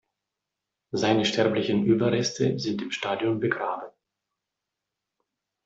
Seine sterblichen Überreste sind im Stadion begraben.